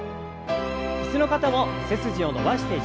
椅子の方も背筋を伸ばして上体を前に。